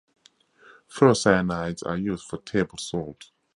Ferrocyanides are used for table salt.